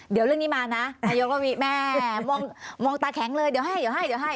เดี๋ยวเรื่องนี้มานะมันมีแม่มองตาแข็งเลยเดี๋ยวให้